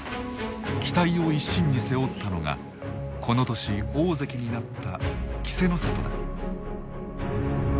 期待を一身に背負ったのがこの年大関になった稀勢の里だ。